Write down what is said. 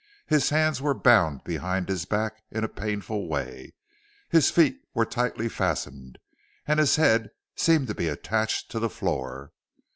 His hands were bound behind his back in a painful way, his feet were tightly fastened, and his head seemed to be attached to the floor.